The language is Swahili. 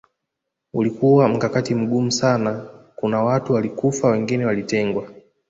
Ulikuwa mkakati mgumu sana kuna watu walikufa wengine walitengwa